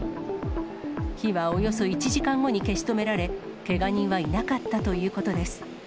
火はおよそ１時間後に消し止められ、けが人はいなかったということです。